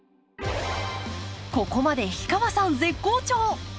ここまで氷川さん絶好調！